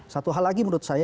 satu hal lagi menurut saya